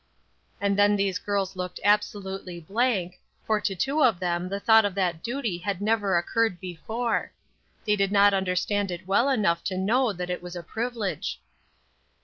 And then these girls looked absolutely blank, for to two of them the thought of that duty had never occurred before; they did not understand it well enough to know that it was a privilege.